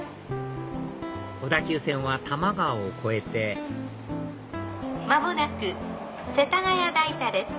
小田急線は多摩川を越えて間もなく世田谷代田です。